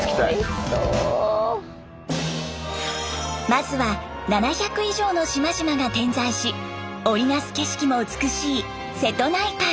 まずは７００以上の島々が点在し織り成す景色も美しい瀬戸内海。